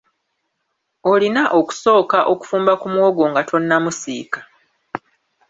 Olina okusooka okufumba ku muwogo nga tonnamusiika.